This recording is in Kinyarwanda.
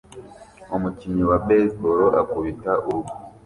Umukinnyi wa baseball akubita urugo